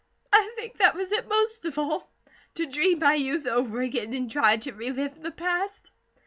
I think that was it most of all, to dream my youth over again, to try to relive the past."